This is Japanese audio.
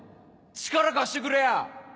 力貸してくれよ！